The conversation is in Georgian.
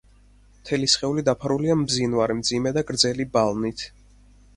მთელი სხეული დაფარულია მბზინვარე, მძიმე და გრძელი ბალნით.